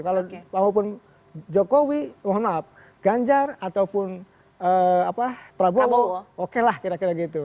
walaupun jokowi mohon maaf ganjar ataupun prabowo oke lah kira kira gitu